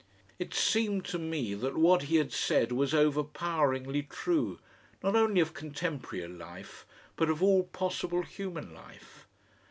It seemed to me that what he had said was overpoweringly true, not only of contemporary life, but of all possible human life.